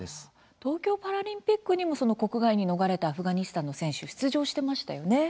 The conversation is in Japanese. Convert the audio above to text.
東京パラリンピックにも国外に逃れたアフガニスタンの選手、出場していましたよね。